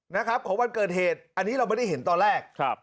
นะครับของวันเกิดเหตุอันนี้เราไม่ได้เห็นตอนแรกครับ